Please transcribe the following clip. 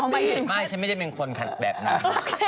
ไม่ฉันไม่ได้เป็นคนแบบนั้น